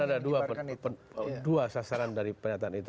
karena ada dua sasaran dari pernyataan itu